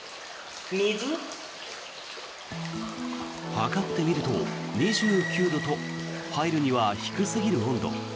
測ってみると２９度と入るには低すぎる温度。